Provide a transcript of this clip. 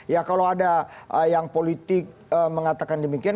ya kalau ada yang politik mengatakan demikian